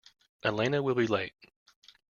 Elena will be late.